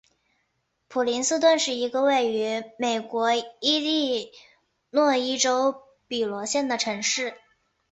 普林斯顿是一个位于美国伊利诺伊州比罗县的城市。